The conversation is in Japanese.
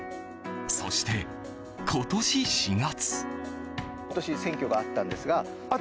そして、今年４月。